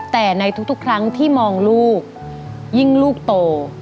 แต่ในทุกครั้งที่มองลูกยิ่งลูกโต